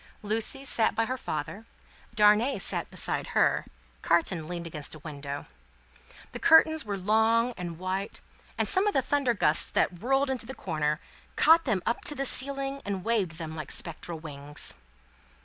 Lucie sat by her father; Darnay sat beside her; Carton leaned against a window. The curtains were long and white, and some of the thunder gusts that whirled into the corner, caught them up to the ceiling, and waved them like spectral wings.